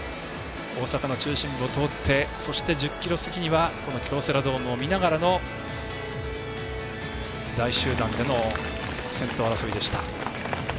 大阪の中心部を通って１０ｋｍ過ぎには京セラドームを見ながらの第１集団での先頭争いでした。